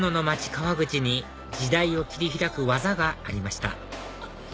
川口に時代を切り開く技がありました